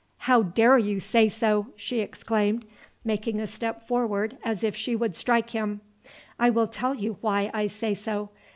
"How dare you say so!" she exclaimed making a step forward as if she would strike him. "I will tell you why I say so.